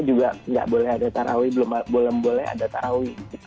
juga nggak boleh ada tarawih belum boleh ada tarawih